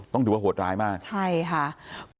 ตอนนั้นก็มีลูกชายไว้๒๐วันที่แม่ยายอุ้มอยู่